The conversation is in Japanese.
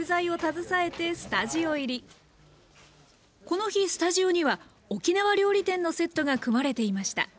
この日スタジオには沖縄料理店のセットが組まれていました。